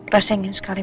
rasa ingin sekali